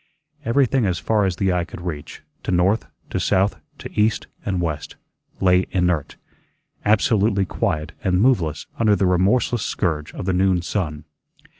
Everything as far as the eye could reach, to north, to south, to east, and west, lay inert, absolutely quiet and moveless under the remorseless scourge of the noon sun.